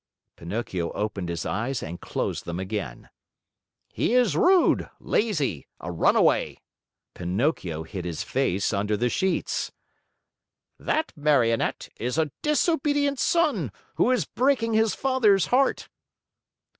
Pinocchio opened his eyes and closed them again. "He is rude, lazy, a runaway." Pinocchio hid his face under the sheets. "That Marionette is a disobedient son who is breaking his father's heart!"